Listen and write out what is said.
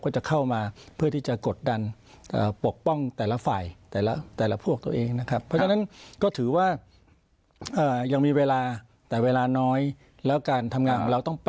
จะเข้ามาเพื่อที่จะกดดันปกป้องแต่ละฝ่ายแต่ละพวกตัวเองนะครับ